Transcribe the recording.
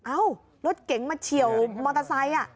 เอ้ารถเก๋งมาเฉียวมอเตอร์ไซค์